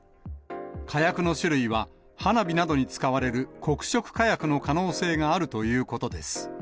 火薬の種類は花火などに使われる黒色火薬の可能性があるというこ